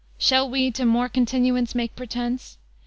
Shall we to more continuance make pretence?